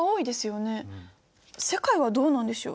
世界はどうなんでしょう？